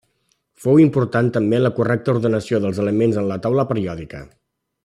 Fou important també en la correcta ordenació dels elements en la taula periòdica.